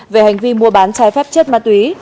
về hành vi mua bán trái phép chất ma túy